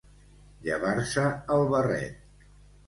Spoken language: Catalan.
Llevar-se el barret.